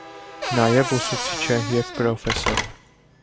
Նաև ուսուցիչ է և պրոֆեսոր։